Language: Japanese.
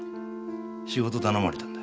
仕事頼まれたんだ。